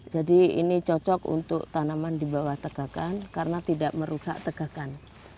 jadi ini cocok untuk tanaman di bawah tegakan karena tidak merusak tegakan